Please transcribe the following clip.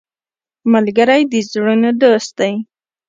ملګری د زړونو دوست دی